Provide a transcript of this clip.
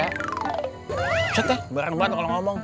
masa teh beran banget kalau ngomong